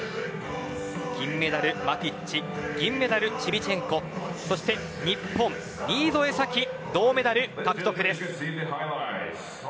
金メダル、マティッチ銀メダル、シビチェンコそして日本、新添左季銅メダル獲得です。